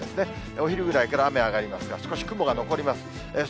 お昼ぐらいから雨上がりますが、少し雲が残ります。